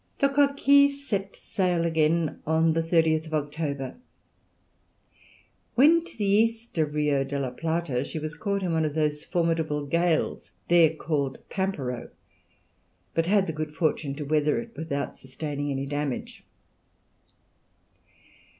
The Coquille set sail again on the 30th October. When to the east of Rio de la Plata she was caught in one of those formidable gales, there called pampero, but had the good fortune to weather it without sustaining any damage.